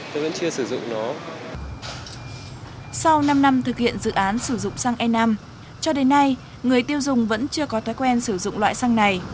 cho đến nay người tiêu dùng vẫn chưa có thói quen sử dụng loại xăng này